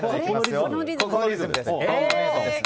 このリズムです。